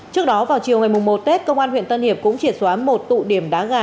trước đó vào chiều ngày một tết công an huyện tân hiệp cũng triệt xóa một tụ điểm đá gà